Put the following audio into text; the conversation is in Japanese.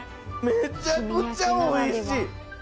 めちゃくちゃおいしい！